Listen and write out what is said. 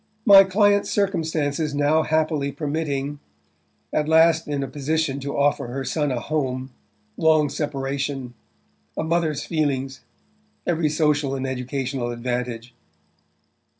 "My client's circumstances now happily permitting... at last in a position to offer her son a home...long separation...a mother's feelings...every social and educational advantage"...